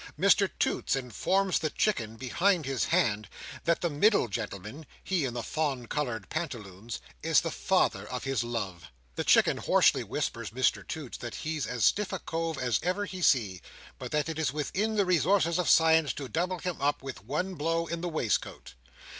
Mr Toots informs the Chicken, behind his hand, that the middle gentleman, he in the fawn coloured pantaloons, is the father of his love. The Chicken hoarsely whispers Mr Toots that he's as stiff a cove as ever he see, but that it is within the resources of Science to double him up, with one blow in the waistcoat.